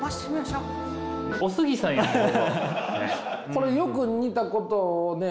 これよく似たことをね